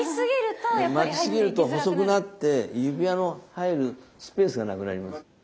巻きすぎると細くなって指輪の入るスペースがなくなります。